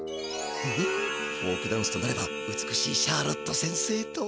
ムフッフォークダンスとなれば美しいシャーロット先生と。